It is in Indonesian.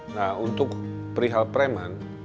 nah untuk perihal preman